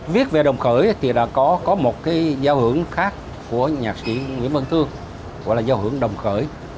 viết về đồng khởi thì đã có một cái giao hưởng khác của nhạc sĩ nguyễn văn thương gọi là giao hưởng đồng khởi